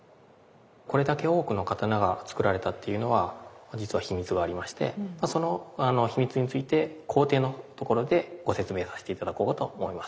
これだけ多くの刀が作られたっていうのは実は秘密がありましてその秘密について工程のところでご説明させて頂こうと思います。